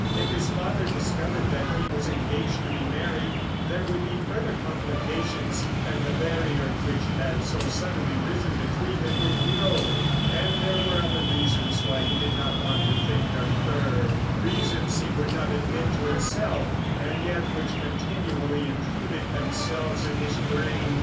If his father discovered that he was engaged to be married there would be further complications, and the barrier which had so suddenly risen between them would grow. And there were other reasons why he did not want to think of her; reasons he would not admit to himself, and yet which continually intruded themselves in his brain.